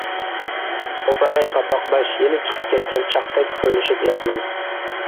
-قوپە ھەي قاپاقباش! يېلى چىقىپ كەتكەن چاقتەك پۇرلىشىپ ياتماي!